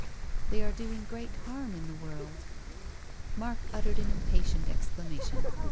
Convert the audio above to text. They are doing great harm in the world." Mark uttered an impatient exclamation.